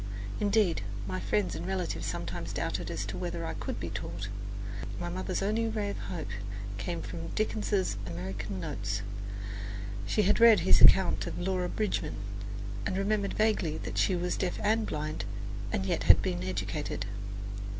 Indeed, my friends and relatives sometimes doubted whether I could be taught. My mother's only ray of hope came from Dickens's "American Notes." She had read his account of Laura Bridgman, and remembered vaguely that she was deaf and blind, yet had been educated.